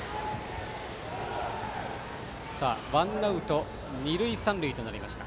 ワンアウト二塁三塁となりました。